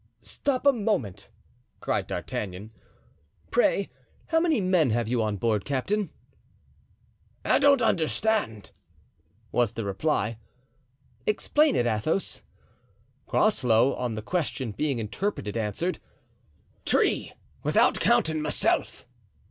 "Stop a moment," cried D'Artagnan; "pray how many men have you on board, captain?" "I don't understand," was the reply. "Explain it, Athos." Groslow, on the question being interpreted, answered, "Three, without counting myself."